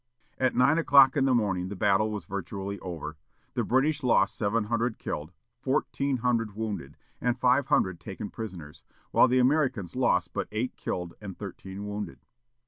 At nine o'clock in the morning the battle was virtually over. The English lost seven hundred killed, fourteen hundred wounded, and five hundred taken prisoners; while the Americans lost but eight killed and thirteen wounded.